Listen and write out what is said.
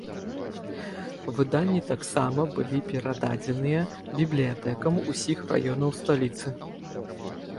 Выданні таксама былі перададзеныя бібліятэкам усіх раёнаў сталіцы.